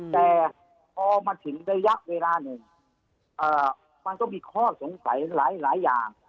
แต่พอมาถึงระยะเวลาหนึ่งมันก็มีข้อสงสัยหลายอย่าง